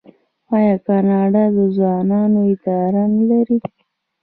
آیا کاناډا د ځوانانو اداره نلري؟